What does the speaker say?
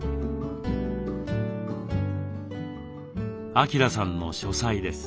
晃さんの書斎です。